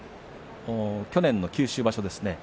去年の九州場所ですね